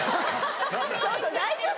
ちょっと大丈夫？